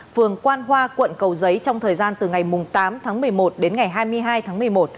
phường quan hoa quận cầu giấy trong thời gian từ ngày tám tháng một mươi một đến ngày hai mươi hai tháng một mươi một